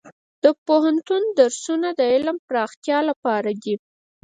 د پوهنتون درسونه د علم پراختیا لپاره دي.